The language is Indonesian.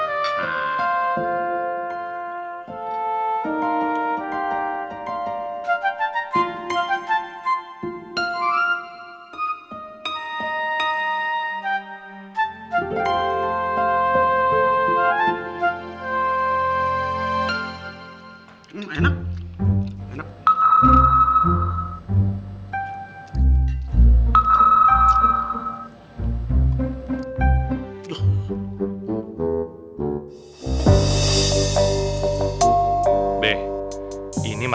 rumah reh uzim